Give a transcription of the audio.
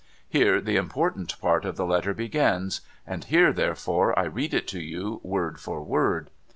Here the important part of the letter begins ; and here, therefore, I read it to you word for word.'